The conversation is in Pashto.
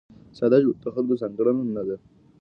ساده ژوند د خلکو ځانګړنه ده.